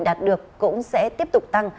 đạt được cũng sẽ tiếp tục tăng